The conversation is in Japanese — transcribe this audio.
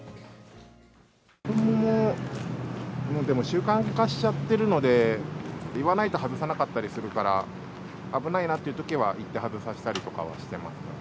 子どもも、でも習慣化しちゃってるので、言わないと外さなかったりするから、危ないなっていうときは、言って外させたりとかはしてますかね。